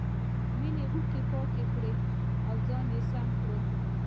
مينې خپلې اوښکې پاکې کړې او ځان يې سم کړ.